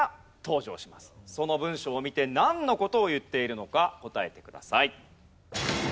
その文章を見てなんの事を言っているのか答えてください。